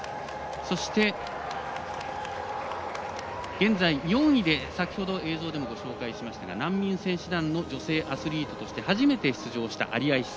そして、現在４位で先ほど映像でもご紹介した難民選手団の女性アスリートとして初めて出場したアリア・イッサ。